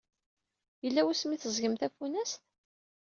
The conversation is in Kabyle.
Yella wasmi i teẓẓgem tafunast?